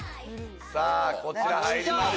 さぁこちら入ります